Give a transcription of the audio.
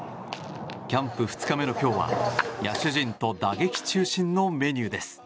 キャンプ２日目の今日は野手陣と打撃中心のメニューです。